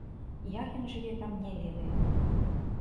Як ён жыве там, не ведаю.